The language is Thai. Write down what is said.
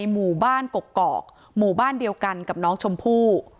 หมู่บ้านกกอกหมู่บ้านเดียวกันกับน้องชมพู่